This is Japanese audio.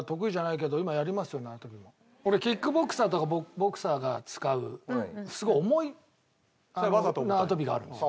俺キックボクサーとかボクサーが使うすごい重い縄跳びがあるんですよ。